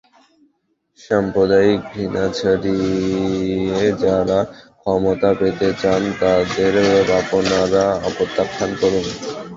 সাম্প্রদায়িক ঘৃণা ছড়িয়ে যাঁরা ক্ষমতা পেতে চান, তাঁদের আপনারা প্রত্যাখ্যান করুন।